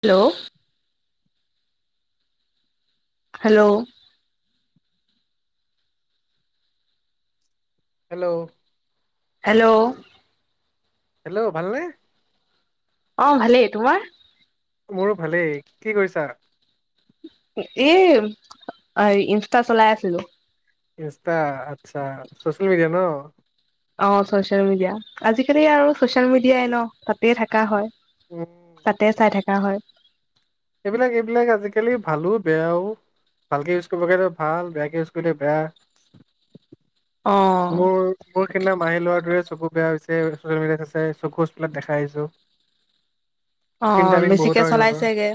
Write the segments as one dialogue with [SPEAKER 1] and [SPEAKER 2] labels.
[SPEAKER 1] Hello hello
[SPEAKER 2] hello
[SPEAKER 1] hello
[SPEAKER 2] hello ভালনে?
[SPEAKER 1] অ ভালেই, তোমাৰ?
[SPEAKER 2] মোৰো ভালেই। কি কৰিছা?
[SPEAKER 1] এই ইনষ্টা চলাই আছিলো।
[SPEAKER 2] ইনষ্টা? আচ্ছা চ'চিয়েল মিডিয়া ন?
[SPEAKER 1] অ ছচিয়েল মিডিয়া, আজি-কালি আৰু ছচিয়েল মিডিয়াই ন, তাতেই থাকা হয়।
[SPEAKER 2] উম
[SPEAKER 1] তাতে চাই থাকা হয়।
[SPEAKER 2] সেইবিলাক এইবিলাক আজি-কালি ভালো, বেয়াও। ভালকে ইউজ কৰিব কাৰণে ভাল, বেয়াকে ইউজ কৰিলে বেয়া।
[SPEAKER 1] অ
[SPEAKER 2] মোৰ মোৰ সিদিনা মাহী ল'ৰাটোৱে চকু বেয়া হৈছে, চ'চিয়েল মিডিয়াত আছে। চকু হস্পিটেলত দেখাই আহিছো। [inaudible]
[SPEAKER 1] অ
[SPEAKER 2] টাইমিং বহুত
[SPEAKER 1] বেছিকে
[SPEAKER 2] আৰু সিহঁতৰ
[SPEAKER 1] চলাইছেগে।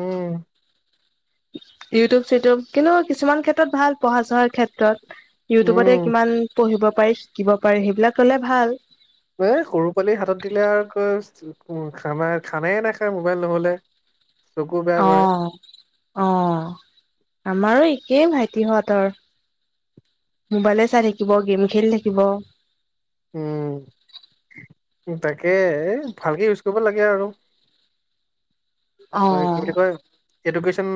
[SPEAKER 2] উম
[SPEAKER 1] ইউটিউব, চিটিউব কিন্তু কিছুমান ক্ষেত্ৰত ভাল, পঢ়া-চঢ়া ক্ষেত্ৰত। ইউটিউবতে
[SPEAKER 2] উম
[SPEAKER 1] কিমান পঢ়িব পাৰি, শিকিব পাৰি। সেইবিলাক ল'লে ভাল।
[SPEAKER 2] এ সৰু পোৱালিৰ হাতত দিলে আৰু ক মো খানা খানাই নাখায় মোবাইল নহ'লে। চকু বেয়া
[SPEAKER 1] অ,
[SPEAKER 2] কৰে
[SPEAKER 1] অ আমাৰো একেই ভাইটিহঁতৰ। মোবাইলে চাই থাকিব, গেম খেলি থাকিব।
[SPEAKER 2] উম, তাকে এ ভালকে ইউজ কৰিব লাগে আৰু।
[SPEAKER 1] অ
[SPEAKER 2] হয় কি বুলি কয়? এডুকেশ্যন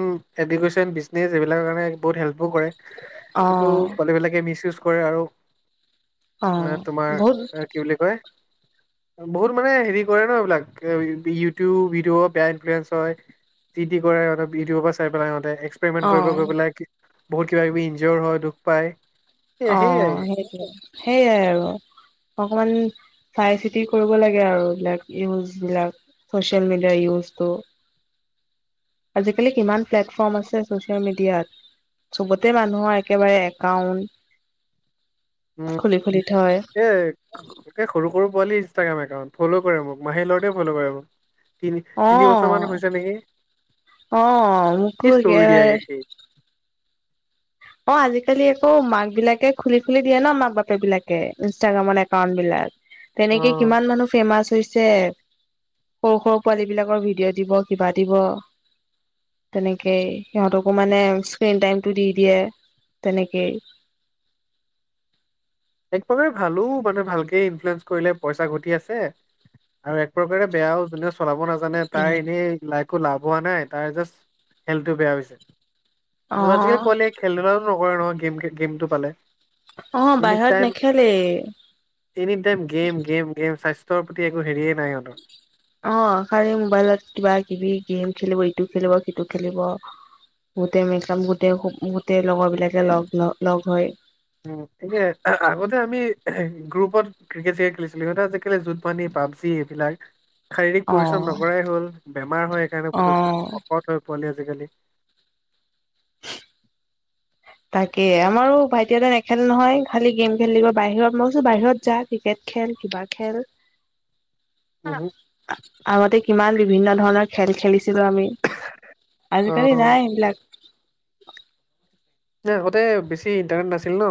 [SPEAKER 2] এডুকেশ্যন বিজনেচ এইবিলাকৰ কাৰণে বহুত হেল্পো কৰে,
[SPEAKER 1] অ
[SPEAKER 2] কিন্তু পোৱালিবিলাকে মিচ ইউজ কৰে আৰু
[SPEAKER 1] অ
[SPEAKER 2] মানে তোমাৰ
[SPEAKER 1] বহুত
[SPEAKER 2] এ কি বুলি কয় বহুত মানে হেৰি কৰে ন এইবিলাক, ইউটিউব ভিডিঅ' বেয়া ইনফ্লুৱেঞ্চ তই, যি টি কৰে সিহঁতৰ ভিডিঅ' সোপা চাই পেলাই সিহঁতে
[SPEAKER 1] অ',
[SPEAKER 2] এক্সপেৰিমেন্ট কৰিব গৈ পেলাই বহুত কিবা কিবি ইঞ্জৰ হয় দুখ পায়। সেই
[SPEAKER 1] অ
[SPEAKER 2] সেয়াই
[SPEAKER 1] সেইটো সেইয়াই আৰু অকমান চাই চিতি কৰিব লাগে আৰু এইবিলাক ইউজ বিলাক ছ'চিয়েল মিডিয়াৰ ইউজটো। আজিকালি কিমান প্লেটফৰ্ম আছে ছচিয়েল মিডিয়াত। চবতে মানুহৰ একেবাৰে একাউণ্ট।
[SPEAKER 2] উম,
[SPEAKER 1] থয়।
[SPEAKER 2] সেইয়াই একে সৰু-সৰু পোৱালিৰ ইনষ্টাগ্ৰাম একাউণ্ট। ফল' কৰে মোক, মাহীৰ লৰাটোৱে ফল' কৰে মোক। তিনি তিনিবছৰ
[SPEAKER 1] অ',
[SPEAKER 2] মান হৈছে নেকি?
[SPEAKER 1] অ', মোকো
[SPEAKER 2] কি ষ্টৰি দিয়া
[SPEAKER 1] একেবাৰে
[SPEAKER 2] একে সি।
[SPEAKER 1] অ আজি-কালি আকৌ মাকবিলাকে খুলি খুলি দিয়ে ন মাক-বাপেকবিলাকে ইনষ্টাগ্ৰামত একাউণ্টবিলাক। তেনেকে
[SPEAKER 2] অ
[SPEAKER 1] কিমান মানুহ ফেমাচ হৈছে। সৰু সৰু পোৱালী বিলাকৰ ভিডিঅ' দিব কিবা দিব। তেনেকেই সিহঁতকো মানে স্ক্ৰীন টাইমতটো দি দিয়ে তেনেকেই।
[SPEAKER 2] এক প্ৰকাৰে ভালো মানে ভালকে ইনফ্লুৱেঞ্জাৰ কৰিলে পইচা ঘটি আছে। আৰু এক প্ৰকাৰে বেয়াও যোনে চলাব নাজ- মানে তাৰ এনেই লাইকো লাভ হোৱা নাই তাৰ জা হেল্থটো বেয়া
[SPEAKER 1] অ
[SPEAKER 2] হৈছে। আজিকালি পোৱালি খেল ধূলাটো নকৰে নহয় গেম গেমতটো পালে।
[SPEAKER 1] অ
[SPEAKER 2] এনি
[SPEAKER 1] বাহিৰত
[SPEAKER 2] টাইম
[SPEAKER 1] নেখেলে।
[SPEAKER 2] Any time game game game স্বাস্থ্যৰ প্ৰতি একো হেৰিয়ে নাই ইহঁতৰ।
[SPEAKER 1] অ খালী মোবাইলত কিবা কিবি গেম খেলিব ইটো খেলিব সিটো খেলিব। গোটেই মকাব গোটেই গোটেই লগৰ বিলাকে লগ লগ হৈ।
[SPEAKER 2] এ আগতে আমি গ্ৰুপত ক্ৰিকেট হে খেলিছিলো সিহঁতে আজিকালি জুত মানি পাব- যি এইবিলাক। শাৰীৰিক
[SPEAKER 1] অ
[SPEAKER 2] পৰিশ্ৰম নকৰাই হল বেমাৰ হয় সেইকাৰণে
[SPEAKER 1] অ
[SPEAKER 2] পুতুকে শকত হয় পোৱালি আজিকালি।
[SPEAKER 1] তাকে আমাৰো ভাইটি এটাই নেখেলে নহয় খালি গেম খেলিব বাহিৰত মই কৈছো বাহিৰত যাক ক্ৰিকেট খেল কিবা খেল
[SPEAKER 2] [inaudible] উহু।
[SPEAKER 1] আগতে কিমান বিভিন্ন ধৰণৰ খেল খেলিছিলো আমি।
[SPEAKER 2] অ
[SPEAKER 1] আজি কালি নাই সেইবিলাক।
[SPEAKER 2] যে আগতে বেছি ইণ্টাৰনেট নাছিল ন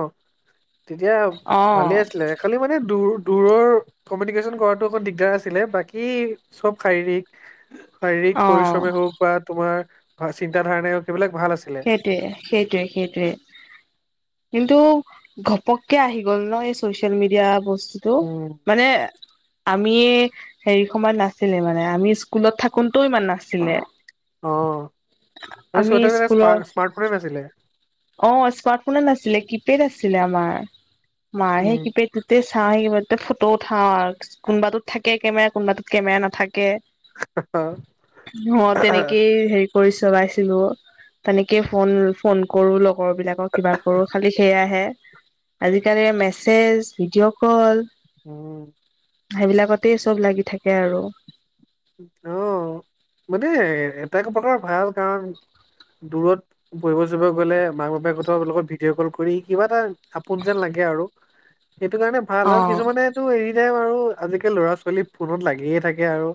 [SPEAKER 2] তেতিয়া
[SPEAKER 1] অ
[SPEAKER 2] ভালে আছিলে। খালী মানে দূৰ দূৰৰ ফমিনিকেশ্যন কৰাটো অক দিগদাৰ আছিলে বাকী চব শাৰীৰিক শাৰীৰিক
[SPEAKER 1] অ
[SPEAKER 2] পৰিশ্ৰমে হওক বা তোমাৰ চিন্ত ধাৰণাই হওক সেইবিলাক ভাল আছিল।
[SPEAKER 1] সেইটোয়ে সেইটোয়ে সেইটোয়ে। কিন্তু ঘপককে আহি গ'ল ন এই ছচিয়েল মিডিয়া বস্তুটো।
[SPEAKER 2] উম
[SPEAKER 1] মানে আমিয়ে হেৰি সময়ত নাছিলে মানে আমি স্কুলত থাকোনটোও ইমান নাছিলে।
[SPEAKER 2] অ [unintelligible]
[SPEAKER 1] আমি
[SPEAKER 2] স্মা
[SPEAKER 1] স্কুলৰ
[SPEAKER 2] স্মাৰ্টফোনে নাছিলে।
[SPEAKER 1] অ স্মাৰ্ট ফোন নাছিলে কিপেড আছিলে আমাৰ মাৰ সেই
[SPEAKER 2] উম
[SPEAKER 1] কিপেড তে চাওঁ সেই কেবাতাতে ফটো উঠাওঁ আৰু কোনোবাত থাকে কেমেৰা কোনোবাটোত কেমেৰা নাথাকে।
[SPEAKER 2] অ
[SPEAKER 1] অ তেনেকেই সেই কৰি চলাইছিলো তেনেকে ফোন ফোন কৰো লগৰ বিলাকক কিবা কৰো খালি সেয়াহে। আজিকালি মেছেজ ভিডিঅ' কল
[SPEAKER 2] উম।
[SPEAKER 1] সেইবিলাকতে চব লাগি থাকে আৰু।
[SPEAKER 2] অ মানে এটা এক প্ৰকাৰ ভাল কাৰণ দূৰত পঢ়িব যাব গ'লে মাক বাপেকৰ লগত ভিডিঅ' কল কৰি কিবা এটা আপোন যেন লাগে আৰু সেইটো কাৰণে ভাল আৰু
[SPEAKER 1] অ',
[SPEAKER 2] কিছুমানে টো এনি টাইম আৰু আজিকালি ল'ৰা ছোৱালী ফোনত লাগিয়ে থাকে আৰু।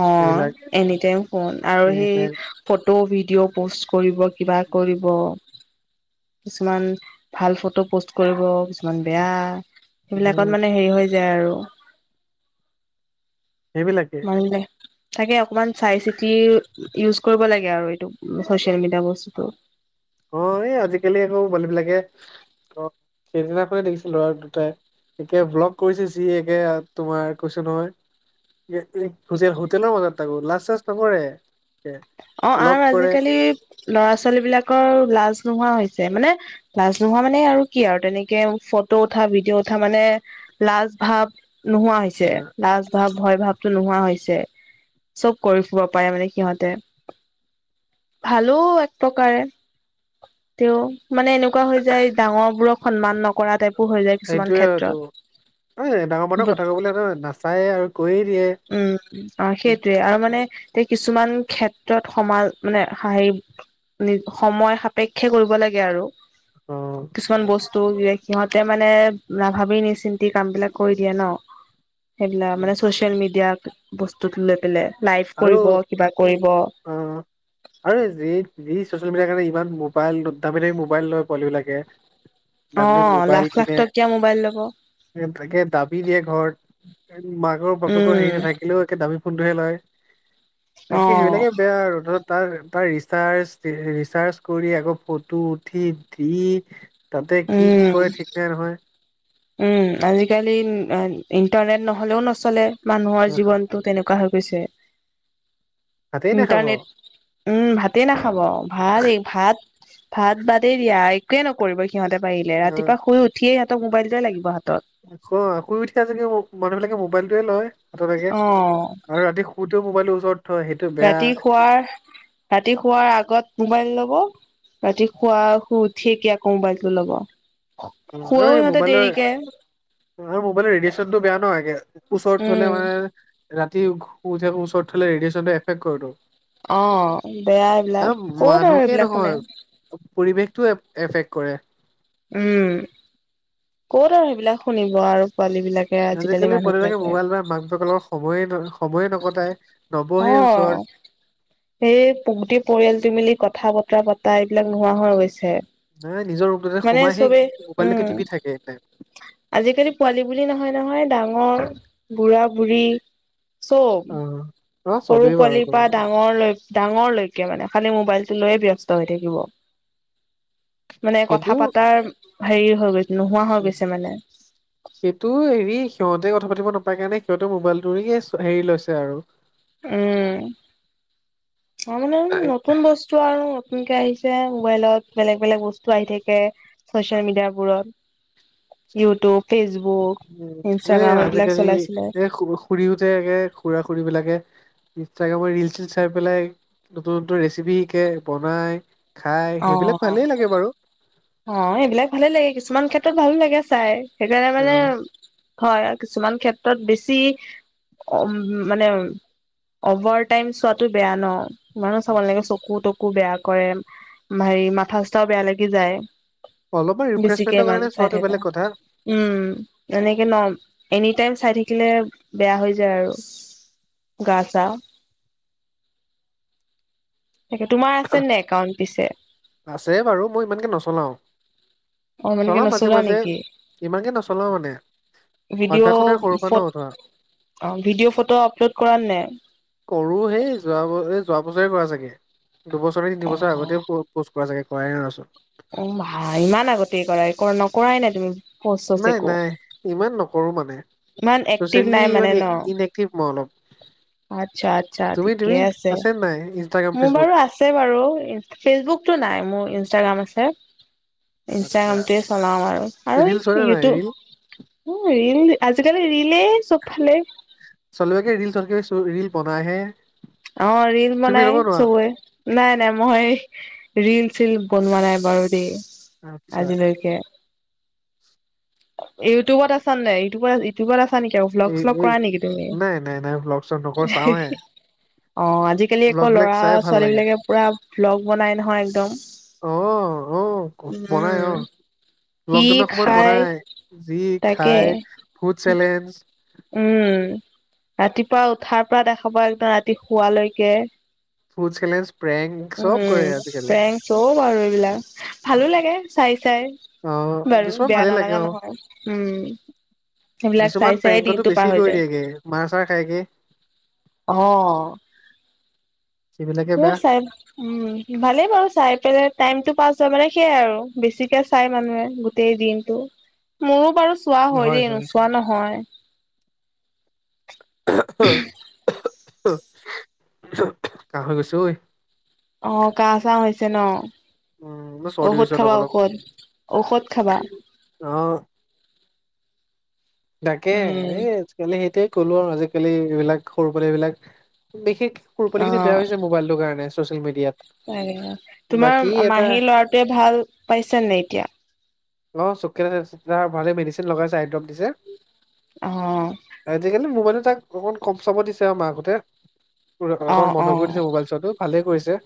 [SPEAKER 1] অ
[SPEAKER 2] এইবিলাক
[SPEAKER 1] এনিটাইম ফোন আৰু সেই ফটো ভিডিঅ' পষ্ট কৰিব। কিবা কৰিব কিছুমান ভাল ফটো পোষ্ট কৰিব কিছুমান বেয়া
[SPEAKER 2] উম
[SPEAKER 1] সেইবিলাকত মানে হেৰি হৈ যে আৰু
[SPEAKER 2] সেইবিলাকে
[SPEAKER 1] [unintelligible] থাকে অকমান চাই চিতি ইউজ কৰিব লাগে আৰু এইটো ছ'চিয়েল মিডিয়া বস্তুতটো।
[SPEAKER 2] অ এই আজিকালি আকৌ পোৱালী বিলাকে সেইদিনাখনে দেখিছিলোঁ লৰা দুটাই একে ব্লগ কৰিছে যি একে তোমাৰ কৈছো নহয়। হোটেল হোটেলৰ মাজত তাকো লাজ চাজ নকৰে।
[SPEAKER 1] অ
[SPEAKER 2] ব্লগ
[SPEAKER 1] আৰু
[SPEAKER 2] কৰে
[SPEAKER 1] আজিকালি ল'ৰা ছোৱালী বিলাকৰ লাজ নোহোৱা হৈছে মানে লাজ নোহোৱা মানে আৰু কি আৰু তেনেকে ফটো উঠা ভিডিঅ' উঠা মানে লাজ ভাব নোহোৱা হৈছে
[SPEAKER 2] আহ
[SPEAKER 1] লাজ ভ ভয় ভাৱতটো নোহোৱা হৈছে চব কৰি ফুব পাৰে মানে সিহঁতে ভালো এক প্ৰকাৰে তেওঁ মানে এনেকুৱা হৈ যায় ডাঙৰ বোৰক সন্মান নকৰা টাইপ
[SPEAKER 2] সেইটোয়ে টো এ ডাঙৰ মানুৰ কথা ক'বলৈ নাচায়েই আৰু কৈয়ে দিয়ে
[SPEAKER 1] উম অ সেইটোৱে আৰু মানে তে কিছুমান ক্ষেত্ৰত সমাজ মানে হেৰি নি সময় সে পেক্ষে কৰিব লাগে আৰু
[SPEAKER 2] অ
[SPEAKER 1] কিছুমান বস্ তো সিহঁতে মানে নাভাবি নি চিন্তি কাম বিলাক কৰি দিয়ে ন সেইবিলাক মানে চচিয়েল মিডিয়াক বস্তুত লৈ পেলাই লাইভ
[SPEAKER 2] আৰু
[SPEAKER 1] কৰিব কিবা কৰিব
[SPEAKER 2] অ আৰু এই যি যি চচিয়েল মিডিয়াৰ কাৰণে ইমান মোবাইল দামি দামি মোবাইল লয় পোৱালি বিলাকে
[SPEAKER 1] অ
[SPEAKER 2] দামি দামি মোবাইল
[SPEAKER 1] লাখ লাখ
[SPEAKER 2] কিনে
[SPEAKER 1] টকীয়া মোবাইল ল'ব
[SPEAKER 2] তাকে দাবী দিয়ে ঘৰত মাকৰ বাপেকৰ হেৰি
[SPEAKER 1] উম
[SPEAKER 2] নাথা কিলেও একে দামী ফোনটোহে লয়
[SPEAKER 1] অ
[SPEAKER 2] তাকে সেইবিলাকে বেয়া ৰদত তাৰ - তাৰ ৰিচাৰ্জ - ৰিচাৰ্জ কৰি আকৌ ফটো উঠি দি তাতে কি - কি
[SPEAKER 1] উম
[SPEAKER 2] কৰে ঠিক নাই নহয়।
[SPEAKER 1] উম, আজিকালি ইণ্টাৰনেট নহলেও নচলে মানুহৰ
[SPEAKER 2] আহ,
[SPEAKER 1] জীৱন। ত, তেনেকুৱা হৈ গৈছে
[SPEAKER 2] ভাতেই নাখাব অ
[SPEAKER 1] ইণ্টাৰনেট উম ভাতেই নাখাব ভাত এই ভাত ভাত বাদেই দিয়া একোৱে নকৰিব সিহঁতে পাৰিলে ৰাতিপুৱা শুই উঠিয়ে সিহঁতক মবাইল টোৱাই লাগিব হাতত
[SPEAKER 2] অ শুই উঠা যদি মানুহ বিলাকে মোবাইলটোৱে লয় হাতত একে
[SPEAKER 1] অ
[SPEAKER 2] আৰু ৰাতি শুতেও মোবাইলটো ওচৰত থয় সেইটো বেয়া
[SPEAKER 1] ৰাতি শুৱাৰ ৰাতি শুৱাৰ আগত মোবাইল ল'ব ৰাতি শুৱাৰ শুই উঠিকে আকৌ মোবাইলটো লব
[SPEAKER 2] আৰু
[SPEAKER 1] শুৱেও
[SPEAKER 2] এই
[SPEAKER 1] সিহঁতে
[SPEAKER 2] মোবাইলৰ
[SPEAKER 1] দেৰিকে
[SPEAKER 2] মোবাইলৰ ৰেডিয়েচনটো বেয়া ন একে ওচৰত থলে
[SPEAKER 1] উম
[SPEAKER 2] মানে ৰাতি উঠ শুই ওচৰত থলে ৰেডিয়েচনটো এফেক্ট কৰেটো
[SPEAKER 1] অ বেয়া এইবিলাক কত আৰু
[SPEAKER 2] মানুহকে
[SPEAKER 1] এইবিলাক
[SPEAKER 2] নহয়
[SPEAKER 1] শুনে
[SPEAKER 2] পৰিৱেশটো এফেক্ট কৰে।
[SPEAKER 1] উম, কত আৰু সেইবিলাক শুনিব আৰু পোৱালী বিলাক।
[SPEAKER 2] আজিকালি পোৱালিবিলাকে মোবাইল পায় মাক বাপেকৰ লগত সময়ে - সময়ে নকটাই নবহে ওচৰত।
[SPEAKER 1] এই পোকতি পৰিয়ালটো মিলি কথা বতৰা পতা এইবিলাক নোহোৱা হৈ গৈছে।
[SPEAKER 2] নাই নিজৰ ৰুমতে
[SPEAKER 1] মানে
[SPEAKER 2] সোমাই সেই
[SPEAKER 1] চবে উম
[SPEAKER 2] মোবাইলটোকে টিপি থাকে এনিটাইম।
[SPEAKER 1] আজিকালি পোৱালি বুলি নহয়-নহয় ডাঙৰ বুঢ়া- বুঢ়ী চব।
[SPEAKER 2] অ অ',
[SPEAKER 1] সৰু
[SPEAKER 2] চবেই বাৰু
[SPEAKER 1] পোৱালিৰ
[SPEAKER 2] কৰো
[SPEAKER 1] পৰা ডাঙৰ লৈ - ডাঙৰলৈকে মানে খালি মোবাইলটো লৈয়ে ব্যস্ত হৈ থাকিব। মানে
[SPEAKER 2] সেইটো
[SPEAKER 1] কথা পাতাৰ হেৰি হৈ গৈছে নোহোৱা হৈ
[SPEAKER 2] উম
[SPEAKER 1] গৈছে মানে।
[SPEAKER 2] [inaudible] সেইটো হেৰি সিহঁতে কথা পাতিব নাপায় কাৰণে সিহঁতে মোবাইলটোৰিগিয়ে হেৰি লৈছে আৰু।
[SPEAKER 1] উম, অ মানে নতুন বচ বস্তু আৰু নতুনকে আহিছে মোবাইলত। বেলেগ-বেলেগ বস্তু আহি থাকে। চচিয়েল মিডিয়াবোৰত ইউটুব ফেচবুক,
[SPEAKER 2] উম
[SPEAKER 1] ইনষ্টাগ্ৰাম এইবিলাক চলাই চলাই
[SPEAKER 2] খুুৰীও যে একে খুৰা-খুৰীবিলাকে ইনষ্টাগ্ৰামত ৰিল চীল চাই পেলাই নতুন - নতুন ৰেচিপি শিকে বনায়।
[SPEAKER 1] অ - অ এইবিলাক ভালে লাগে কিছুমান ক্ষেত্ৰত ভালো লাগে চাই। সেইকাৰণে
[SPEAKER 2] অ
[SPEAKER 1] মানে হয় কিছুমান ক্ষেত্ৰত বেছি অ মানে অভাৰ টাইম চোৱাটো বেয়া ন। ইমানো চাব
[SPEAKER 2] উম,
[SPEAKER 1] নালাগিব চকু - তকু বেয়া কৰে হেৰি মাথা চাথাও বেয়া লাগি যায়।
[SPEAKER 2] অলপমান
[SPEAKER 1] বেছিকে
[SPEAKER 2] ৰিফ্ৰেছমেণ্টৰ
[SPEAKER 1] ইমান
[SPEAKER 2] কাৰণে
[SPEAKER 1] চাই
[SPEAKER 2] চোৱাটো
[SPEAKER 1] থাকা
[SPEAKER 2] বেলেগ কথা।
[SPEAKER 1] উম, এনেকে ন? এনি টাইম চাই থাকিলে বেয়া হৈ যায় আৰু। গাজা তাকে তোমাৰ আছে নে একাউণ্ট পিছে?
[SPEAKER 2] আছে বাৰু। মই ইমানকে নচলাও।
[SPEAKER 1] অ এনেকে
[SPEAKER 2] চলাও
[SPEAKER 1] নচলোৱা
[SPEAKER 2] মাজে-মাজে,
[SPEAKER 1] নেকি
[SPEAKER 2] ইমানকে নচলাও মানে। অভ্যাসো
[SPEAKER 1] ভিডিঅ'
[SPEAKER 2] নাই সৰুৰ পৰা ন
[SPEAKER 1] ফ,
[SPEAKER 2] ধৰা
[SPEAKER 1] ভিডিঅ', ফটো আপলোড কৰা নে নাই?
[SPEAKER 2] কৰো সেই যোৱা ব যোৱা বছৰে কৰা চাগে। দুবছৰে নে
[SPEAKER 1] অ
[SPEAKER 2] তিনিবছৰ আগতে পোষ্ট কৰা চাগে। কৰাই নাই তাৰপিছত।
[SPEAKER 1] অ, ভাই ইমান আগতেই কৰাই, নকৰাই নে তুমি? পষ্ট চষ্ট
[SPEAKER 2] নাই,
[SPEAKER 1] একো
[SPEAKER 2] নাই ইমান নকৰো মানে।
[SPEAKER 1] ইমান এক্টিভ
[SPEAKER 2] চচিয়েলি
[SPEAKER 1] নাই
[SPEAKER 2] ইমান
[SPEAKER 1] মানে ন
[SPEAKER 2] ইনক্টিভ মই অলপ।
[SPEAKER 1] আচ্ছা আচ্ছা
[SPEAKER 2] তুমি
[SPEAKER 1] ঠিকে
[SPEAKER 2] তুমি? আছে নে নাই ইনষ্টাগ্ৰাম,
[SPEAKER 1] মোৰ বাৰু
[SPEAKER 2] ফেচবুক?
[SPEAKER 1] আছে বাৰু ফেচবুকটো নাই মোৰ, ইনষ্টাগ্ৰাম আছে।
[SPEAKER 2] আচ্ছা
[SPEAKER 1] ইনষ্টাগ্ৰামটোৱে চলাও আৰু আৰু
[SPEAKER 2] ৰিল
[SPEAKER 1] এই
[SPEAKER 2] চলে নাই ৰিল
[SPEAKER 1] ইউটিউব ৰিল আজি-কালি ৰিলে চবফালে।
[SPEAKER 2] ছোৱালীবিলাকে ৰিল চোৱাতকে ৰিল বনাই হে।
[SPEAKER 1] অ ৰিল বনাই চবৰে। নাই, নাই মই ৰিল-চিল বনোৱা নাই বাৰু দেই
[SPEAKER 2] আচ্ছা
[SPEAKER 1] আজিলৈকে। ইউটিউবত আছা নাই? ইউটিউবত ইউটিউবত আছা নেকি? আকৌ
[SPEAKER 2] এই
[SPEAKER 1] ভ্লগ-শ্লগ
[SPEAKER 2] এই
[SPEAKER 1] কৰা নেকি তুমিও?
[SPEAKER 2] নাই নাই নাই ব্লগ চগ নকৰো চাওঁহে
[SPEAKER 1] অ, আজি-কালি
[SPEAKER 2] ব্লগ
[SPEAKER 1] আকৌ
[SPEAKER 2] বিলাক চাই ভাল লাগে
[SPEAKER 1] ল'ৰা-ছোৱালীবিলাকে পুৰা ভ্লগ বনাই নহয় একদম।
[SPEAKER 2] অ', অ', বনাই
[SPEAKER 1] উম,
[SPEAKER 2] অ',
[SPEAKER 1] কি
[SPEAKER 2] লকডাউনৰ সময়ত
[SPEAKER 1] খাই
[SPEAKER 2] বনাই যি
[SPEAKER 1] তাকে
[SPEAKER 2] খাই ফুড চেলেঞ্জ।
[SPEAKER 1] উম, ৰাতিপুৱা উঠাৰ পৰা দেখাব একদম ৰাতি শুৱালৈকে।
[SPEAKER 2] ফুড চেলেঞ্জ, প্ৰেঙ্ক চব কৰে আজি-কালি।
[SPEAKER 1] প্ৰেং চব আৰু এইবিলাক। ভালো লাগে চাই-চাই।
[SPEAKER 2] অ',
[SPEAKER 1] বাৰু
[SPEAKER 2] কিছুমান
[SPEAKER 1] বেয়া
[SPEAKER 2] ভালে লাগে
[SPEAKER 1] নালাগা
[SPEAKER 2] অ',
[SPEAKER 1] নহয়। উম, সেইবিলাক
[SPEAKER 2] কিছুমান
[SPEAKER 1] চাই
[SPEAKER 2] প্ৰেংকতো
[SPEAKER 1] দিনটো
[SPEAKER 2] বেছি
[SPEAKER 1] পাৰ হৈ
[SPEAKER 2] কৰি
[SPEAKER 1] যায়।
[SPEAKER 2] দিয়েগে মাৰ চাৰ খাইকে
[SPEAKER 1] অ।
[SPEAKER 2] সেইবিলাকে
[SPEAKER 1] উম
[SPEAKER 2] বেয়া।
[SPEAKER 1] চাব উম, ভালেই বাৰু চাই পেলাই টাইমটো পাছ হয় মানে, সেইয়াই আৰু বেছিকে চাই মানুহে। গোটেই দিনটো, মোৰো বাৰু চোৱা হয় দেই, নোচোৱা নহয়।
[SPEAKER 2] [unintelligible] কাহ হৈ গৈছে ঐ।
[SPEAKER 1] অ কাহ-চাহ হৈছে ন?
[SPEAKER 2] উম, মোৰ চৰ্দি
[SPEAKER 1] ঔষধ
[SPEAKER 2] হৈছে অলপ
[SPEAKER 1] খাবা
[SPEAKER 2] অলপ
[SPEAKER 1] ঔষধ। ঔষধ খাবা।
[SPEAKER 2] অ। তাকে
[SPEAKER 1] উম
[SPEAKER 2] এই আজি-কালি সেইটোৱে ক'লো আৰু আজি-কালি এইবিলাক সৰু পোৱালি এইবিলাক বিশেষ সৰু পোৱালিখিনি
[SPEAKER 1] অ
[SPEAKER 2] বেয়া হৈছে মোবাইলটো কাৰণে চচিয়েল মিডিয়াত।
[SPEAKER 1] [unintelligible] তোমাৰ
[SPEAKER 2] বাকী এটা
[SPEAKER 1] মাহীৰ ল'ৰাটোৱে ভাল পাইছে নে এতিয়া?
[SPEAKER 2] অ চক [unintelligible] ভালে মেডিচিন লগাইছে আইড্ৰপ দিছে।
[SPEAKER 1] অ।
[SPEAKER 2] আজি-কালি মোবাইলো তাক বহুত কম চাব দিছে আৰু মাকহঁতে। কোৰে ককন
[SPEAKER 1] অ',
[SPEAKER 2] বন্ধ
[SPEAKER 1] অ',
[SPEAKER 2] কৰি দিছে মোবাইল চোৱাটো ভালে কৰিছে।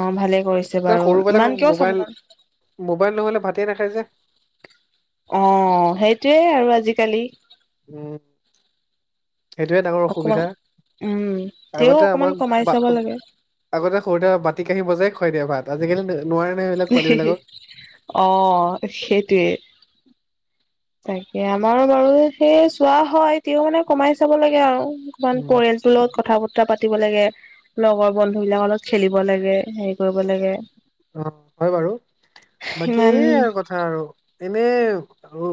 [SPEAKER 1] অ, ভালেই কৰিছে
[SPEAKER 2] ত
[SPEAKER 1] বাৰু।
[SPEAKER 2] সৰু পেলাই
[SPEAKER 1] ইমান কিয় চাব
[SPEAKER 2] মোবাইল
[SPEAKER 1] না
[SPEAKER 2] মোবাইল নহ'লে ভাতেই নাখায় যে।
[SPEAKER 1] অ সেইটোৱে আৰু আজিকালি।
[SPEAKER 2] উম। সেইটোৱে ডাঙৰ
[SPEAKER 1] অকমান
[SPEAKER 2] অসুবিধা
[SPEAKER 1] উম, তেওঁ
[SPEAKER 2] আগতে
[SPEAKER 1] অকমান
[SPEAKER 2] আমাক
[SPEAKER 1] কমাই
[SPEAKER 2] বা
[SPEAKER 1] চাব লাগে।
[SPEAKER 2] আগতে সৰুতে বাতি কাঁহি বজাই খোৱাই দিয়ে ভাত, আজিকালি নোৱাৰে নহয় সেইবিলাক পোৱালিবিলাকক।
[SPEAKER 1] অ সেইটোৱে। তাকে আমাৰ বাৰু সেই চোৱা হয় তেওঁ মানে কমাই চাব লাগে আৰু অকমান
[SPEAKER 2] উম
[SPEAKER 1] পয়েছ। স্কুলত কথা বতৰা পাতিব লাগে, লগৰ বন্ধু বিলাকৰ লগত খেলিব লাগে। সে- কৰিব লাগে।
[SPEAKER 2] অ হয়
[SPEAKER 1] সিমান
[SPEAKER 2] হাৰু এনেই আৰু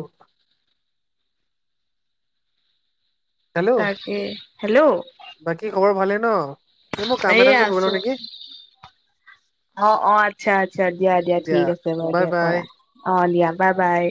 [SPEAKER 2] হেল্ল'
[SPEAKER 1] তাকে হেল্ল'
[SPEAKER 2] বাকী খবৰ ভালে ন? মোক কাম এটা
[SPEAKER 1] এইয়া
[SPEAKER 2] আছে কৰি লও
[SPEAKER 1] আছো।
[SPEAKER 2] নেকি?
[SPEAKER 1] অ অ আচ্ছা আচ্ছা দিয়া দিয়া ঠিক আছে বাৰু
[SPEAKER 2] বাই
[SPEAKER 1] দিয়া
[SPEAKER 2] বাই
[SPEAKER 1] কৰা। অ লিয়া বাই বাই।